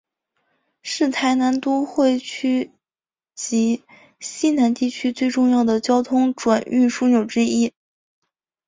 是台南都会区及溪南地区最重要的交通转运枢纽之一。